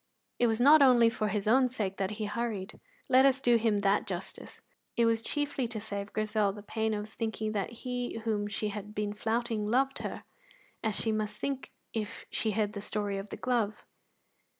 It was not only for his own sake that he hurried; let us do him that justice. It was chiefly to save Grizel the pain of thinking that he whom she had been flouting loved her, as she must think if she heard the story of the glove.